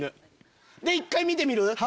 １回見てみる？